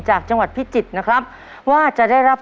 จากจังหวัดพิจิตรนะครับ